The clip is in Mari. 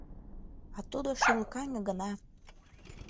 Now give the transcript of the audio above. А тудо шӱлыкаҥе гына.